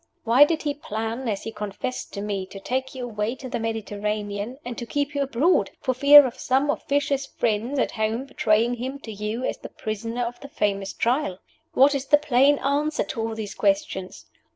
Why did he plan (as he confessed to me) to take you away to the Mediterranean, and to keep you abroad, for fear of some officious friends at home betraying him to you as the prisoner of the famous Trial? What is the plain answer to all these questions?